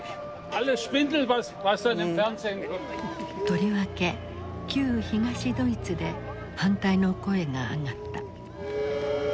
とりわけ旧東ドイツで反対の声が上がった。